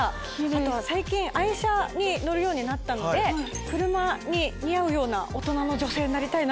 あと最近愛車に乗るようになったので車に似合うような大人の女性になりたいなと。